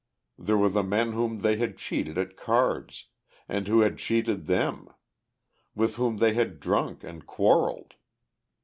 There were the men whom they had cheated at cards, and who had cheated them, with whom they had drunk and quarrelled.